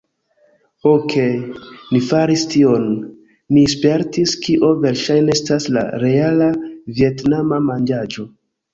"Okej ni faris tion; ni spertis kio verŝajne estas la reala vjetnama manĝaĵo"